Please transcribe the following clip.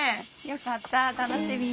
よかった楽しみ。